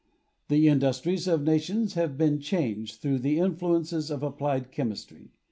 The industries of nations have been changed through the influence of applied chemistry.